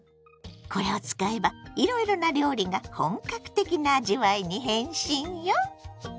これを使えばいろいろな料理が本格的な味わいに変身よ！